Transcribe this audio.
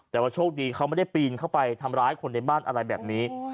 แต่ว่าโชคดีเขาไม่ได้ปีนเข้าไปทำร้ายคนในบ้านอะไรแบบนี้